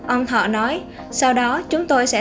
ông thọ nói sau đó chúng tôi sẽ